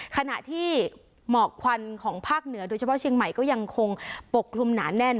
ขณะที่หมอกควันของภาคเหนือโดยเฉพาะเชียงใหม่ก็ยังคงปกคลุมหนาแน่น